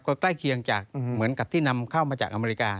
ก็ใกล้เคียงจากเหมือนกับที่นำเข้ามาจากอเมริกา